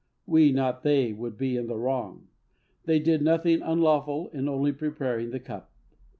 We, not they, would be in the wrong; they did nothing unlawful in only preparing the cup.